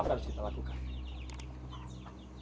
apa harus kita lakukan